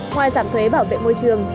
ngoài giảm thuế bảo vệ môi trường